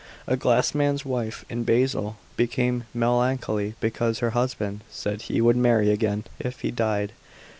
A glassman's wife in Basil became melancholy because her husband said he would marry again if she died.